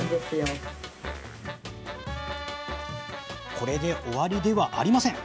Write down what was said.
これで終わりではありません。